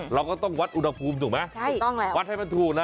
เราก็ต้องวัดอุณหภูมิถูกไหมวัดให้มันถูกนะ